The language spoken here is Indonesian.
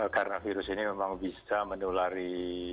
karena virus ini memang bisa menulari